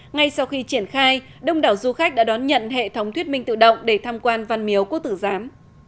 ngay sau khi triển khai đông đảo du khách đã đón nhận hệ thống thuyết minh tự động để tham quan văn miếu quốc tử giám